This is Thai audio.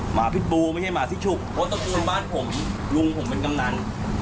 หมาพิษบูไม่ใช่หมาพิชุกเพราะตระกูลบ้านผมลุงผมเป็นกำนัน